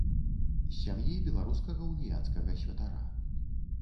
З сям'і беларускага уніяцкага святара.